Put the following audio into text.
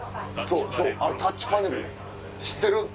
そうタッチパネル知ってる？